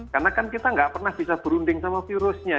karena kan kita nggak pernah bisa berunding sama virusnya